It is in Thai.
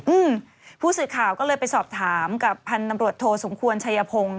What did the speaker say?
อืมผู้สื่อข่าวก็เลยไปสอบถามกับพันธุ์ตำรวจโทสมควรชัยพงศ์